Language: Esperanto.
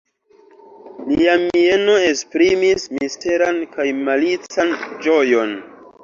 Lia mieno esprimis misteran kaj malican ĝojon.